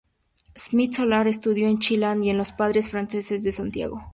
Smith Solar estudió en Chillán y en los padres franceses de Santiago.